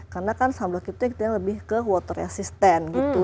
karena kan sunblock itu lebih ke water resistant gitu